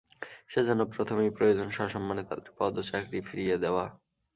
সে জন্য প্রথমেই প্রয়োজন সসম্মানে তাঁদের পদ ও চাকরি ফিরিয়ে দেওয়া।